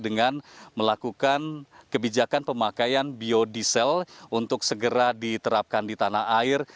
dengan melakukan kebijakan pemakaian biodiesel untuk segera diterapkan di tanah air